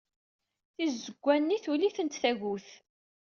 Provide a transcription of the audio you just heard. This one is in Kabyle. Tizewwa-nni tuli-tent tagut.